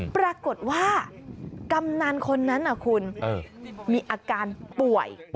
ปรากฏว่ากำนันคนนั้นคุณมีอาการป่วย